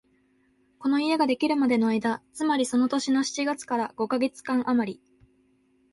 この家ができるまでの間、つまりその年の七月から五カ月間あまり、